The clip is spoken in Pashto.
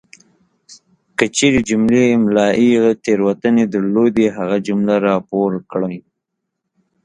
کچیري جملې املائي تیروتنې درلودې هغه جمله راپور کړئ!